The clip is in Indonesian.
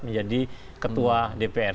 menjadi ketua dpr